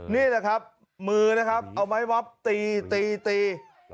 นี่แหละครับมือนะครับเอาไม้ม็อบตีตีตี